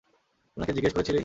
উনাকে জিজ্ঞেস করেছিলি?